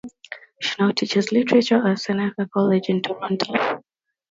She now teaches literature at Seneca College in Toronto.